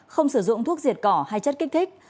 không sử dụng thuốc diệt cỏ hay chất kích thích